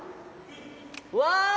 うわ！